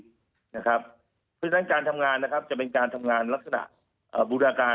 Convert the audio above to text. เพราะฉะนั้นการทำงานนะครับจะเป็นการทำงานลักษณะบูรณาการ